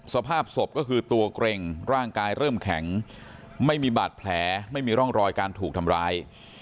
สภาพศพก็คือตัวเกร็งร่างกายเริ่มแข็งไม่มีบาดแผลไม่มีร่องรอยการถูกทำร้าย